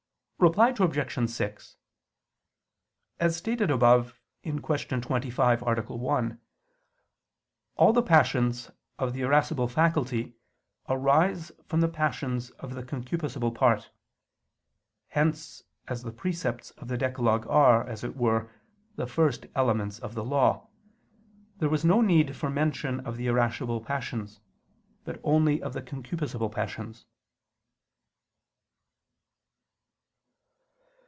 Reply Obj. 6: As stated above (Q. 25, A. 1), all the passions of the irascible faculty arise from the passions of the concupiscible part. Hence, as the precepts of the decalogue are, as it were, the first elements of the Law, there was no need for mention of the irascible passions, but only of the concupiscible passions.